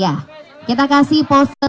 ya kita kasih pose